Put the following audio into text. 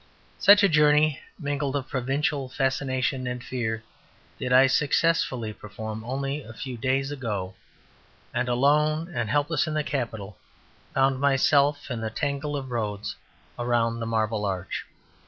Such a journey, mingled of provincial fascination and fear, did I successfully perform only a few days ago; and alone and helpless in the capital, found myself in the tangle of roads around the Marble Arch.